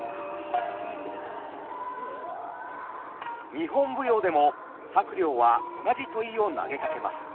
日本舞踊でも伯了は同じ問いを投げかけます。